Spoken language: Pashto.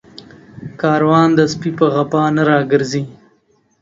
کاروان د سپي په غپا نه راگرځي